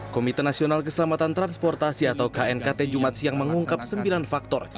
komite nasional keselamatan transportasi atau knkt jumat siang mengungkap sembilan faktor